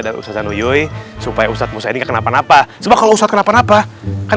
dan ustadz zanuyuy supaya ustadz musa ini kenapa napa semua kalau usah kenapa napa kan